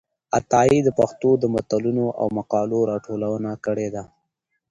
عطايي د پښتو د متلونو او مقالو راټولونه کړې ده.